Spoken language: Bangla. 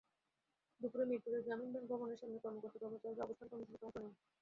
দুপুরে মিরপুরের গ্রামীণ ব্যাংক ভবনের সামনে কর্মকর্তা-কর্মচারীরা অবস্থান কর্মসূচিতে অংশ নেন।